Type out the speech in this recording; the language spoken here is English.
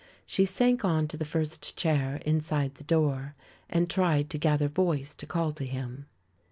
She sank on to the first chair inside the door and tried to gather voice to call to him.